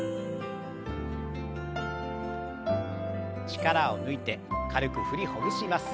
力を抜いて軽く振りほぐします。